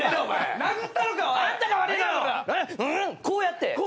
こうやって。